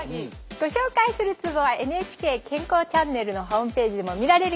ご紹介するツボは「ＮＨＫ健康チャンネル」のホームページでも見られるよ。